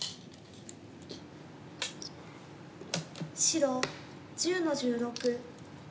白１０の十六。